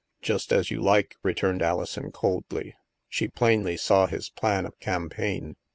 " Just as you like," returned Alison coldly. She plainly saw his plan of campaign.